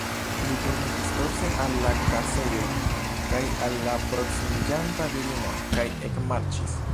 Li turniĝis dorse al la kasejoj kaj al la proksimiĝanta virino, kaj ekmarŝis.